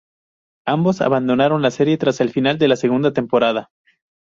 Ambos abandonaron la serie tras el final de la segunda temporada.